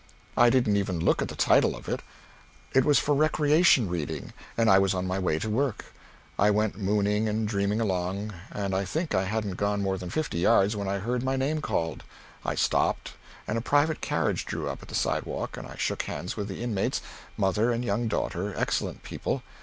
I didn't even look at the title of it. It was for recreation reading, and I was on my way to my work. I went mooning and dreaming along, and I think I hadn't gone more than fifty yards when I heard my name called. I stopped, and a private carriage drew up at the sidewalk and I shook hands with the inmates mother and young daughter, excellent people.